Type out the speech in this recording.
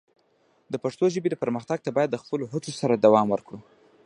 د پښتو ژبې پرمختګ ته باید د خپلو هڅو سره دوام ورکړو.